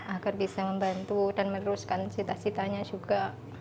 agar bisa membantu dan meneruskan cita citanya juga